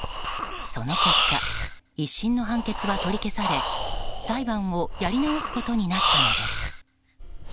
その結果１審の判決は取り消され裁判をやり直すことになったのです。